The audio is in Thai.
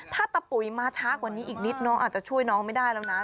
ถ้าตะปุ๋ยมาช้ากว่านี้อีกนิดน้องอาจจะช่วยน้องไม่ได้แล้วนะ